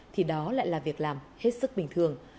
thì đó lại là việc làm hết sức bình thường